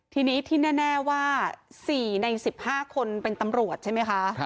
ทีนี้ที่แน่ว่า๔ใน๑๕คนเป็นตำรวจใช่ไหมคะ